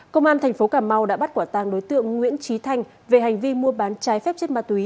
công an tp hcm đã bắt quả tàng đối tượng nguyễn trí thanh về hành vi mua bán trái phép chất ma túy